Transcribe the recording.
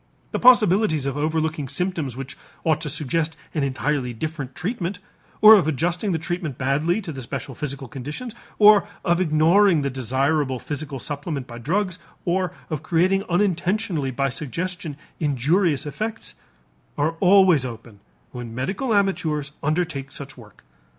The possibilities of overlooking symptoms which ought to suggest an entirely different treatment, or of adjusting the treatment badly to the special physical conditions, or of ignoring the desirable physical supplement by drugs, or of creating unintentionally by suggestion injurious effects, are always open when medical amateurs undertake such work.